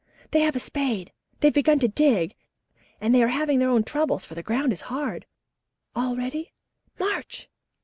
"They have a spade. They've begun to dig, and they are having their own troubles, for the ground is hard. All ready! March!"